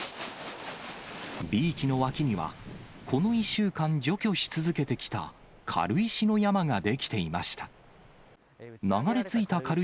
ビーチの脇には、この１週間除去し続けてきた軽石の山が出来ていました。